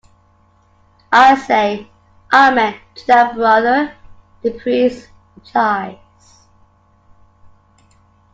"I say, 'Amen' to that, brother," the priest replies.